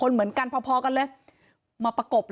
เหตุการณ์เกิดขึ้นแถวคลองแปดลำลูกกา